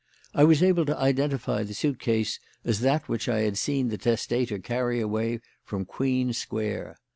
I was able to identify the suit case as that which I had seen the testator carry away from Queen Square.